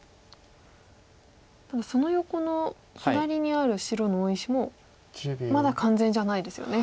ただその横の左にある白の大石もまだ完全じゃないですよね。